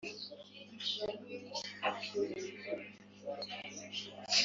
umutambyi mukuru Ariko iyo mbaga y abantu ntiyatinze aho